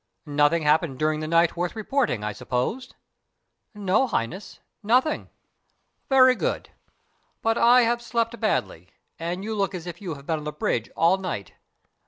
"Nothing happened during the night worth reporting, I suppose?" "No, Highness, nothing." "Very good: but I have slept badly, and you look as if you had been on the bridge all night.